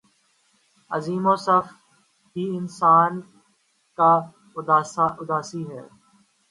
عظیم وصف ہی انسان کا اداسی ہے